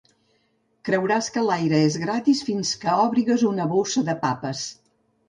Creuràs que l'aire és gratis fins que òbrigues una bossa de papes...